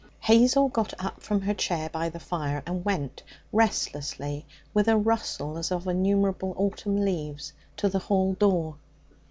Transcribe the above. Hazel got up from her chair by the fire and went restlessly, with a rustle as of innumerable autumn leaves, to the hall door.